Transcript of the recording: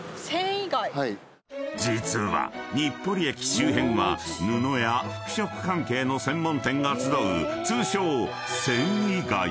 ［実は日暮里駅周辺は布や服飾関係の専門店が集う通称］